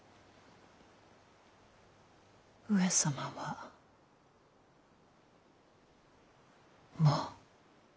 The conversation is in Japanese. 上様はもう。